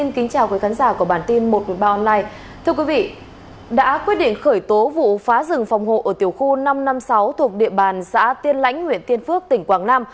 đã quyết định khởi tố vụ phá rừng phòng hộ ở tiểu khu năm trăm năm mươi sáu thuộc địa bàn xã tiên lãnh nguyễn tiên phước tỉnh quảng nam